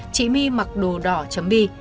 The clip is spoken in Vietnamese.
chị my mặc đồ đỏ chấm bi